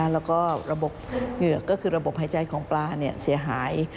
แล้วก็ระบบเหงือกก็คือระบบหายใจของปลาเสียหาย